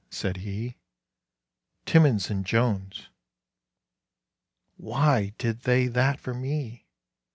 said he. "Timmins and Jones." "Why did they that for me?